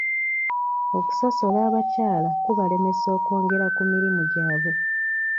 Okusosola abakyala kubalemesa okwongera ku mirimu gyabwe